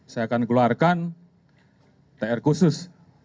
saya akan keluarkan tr khusus